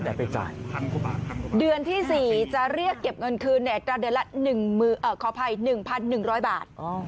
เดือนที่๔จะเรียกเก็บเงินคืนในอัตราเดือนละ๑๑๐๐บาท